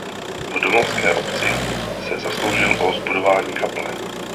V domovské obci se zasloužil o zbudování kaple.